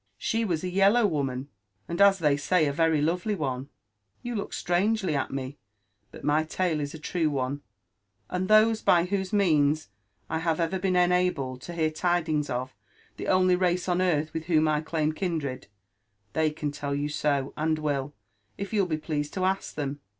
She was a yellow woman, and, as they say, a very lovely one. You look strangely at me ; but my tale is a true one, and those by. whose means I have ever been enabled to hear tidings of the only race oa earth with whom I claim kindred— they cdn tell you so', and will, if you'll be pleased to ask them